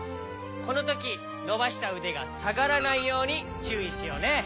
このときのばしたうでがさがらないようにちゅういしようね。